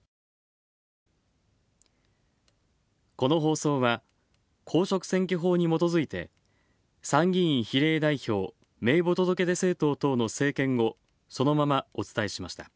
この放送は、公職選挙法にもとづいて参議院比例代表名簿届出政党等の政見をそのままお伝えしました。